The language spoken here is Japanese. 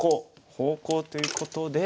方向ということで。